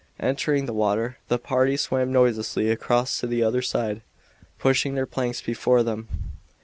Entering the water the party swam noiselessly across to the other side, pushing their planks before them.